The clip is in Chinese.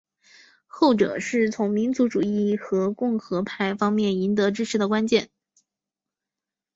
后者是从民族主义和共和派方面赢得支持的关键。